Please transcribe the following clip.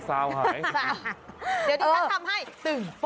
เดี๋ยวที่ท่านทำให้ตึงป๊ะ